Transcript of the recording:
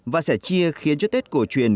và sẻ chia khiến cho tết cổ truyền